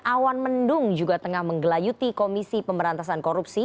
awan mendung juga tengah menggelayuti komisi pemberantasan korupsi